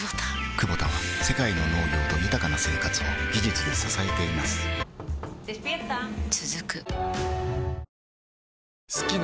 クボタは世界の農業と豊かな生活を技術で支えています起きて。